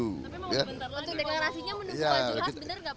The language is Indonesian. ojo deklarasinya menunggu wajib khas bener gak pak